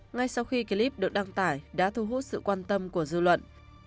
ngay sau khi clip được đăng tải đã thu hút sự quan tâm của dư luận